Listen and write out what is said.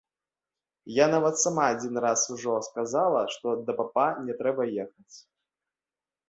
Я нават сама адзін раз ужо сказала, што да папа не трэба ехаць.